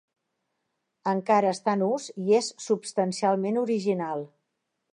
Encara està en ús i és substancialment original.